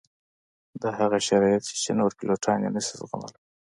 دا هغه شرایط دي چې نور پیلوټان یې نه شي زغملی